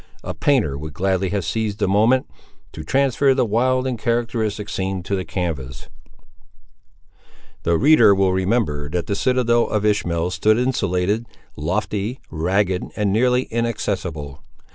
A painter would gladly have seized the moment, to transfer the wild and characteristic scene to the canvass. The reader will remember that the citadel of Ishmael stood insulated, lofty, ragged, and nearly inaccessible.